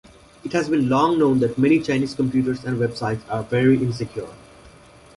It has been long known that many Chinese computers and websites are very insecure.